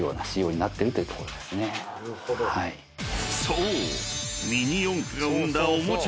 ［そう］